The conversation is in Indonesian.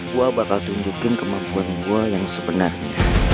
gue bakal tunjukin kemampuan gue yang sebenarnya